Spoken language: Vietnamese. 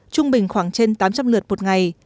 trung bình khoảng trên tám trăm linh lượt một ngày